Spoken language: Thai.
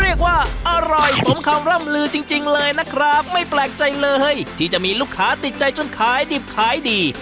เรียกว่าอร่อยสมคำร่ำลือจริงจริงเลยนะครับไม่แปลกใจเลยที่จะมีลูกค้าติดใจจนขายดิบขายดี